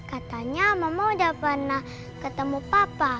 katanya mama udah pernah ketemu papa